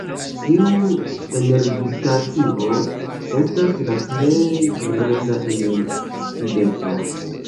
Tiu energistacio estas la plej granda en Tibeto.